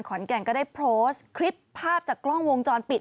แก่นก็ได้โพสต์คลิปภาพจากกล้องวงจรปิด